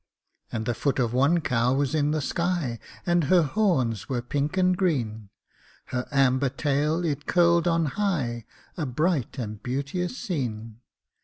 And the foot of one cow was in the sky, And her horns were pink and green; Her amber tail it curled on high A bright and beauteous scene.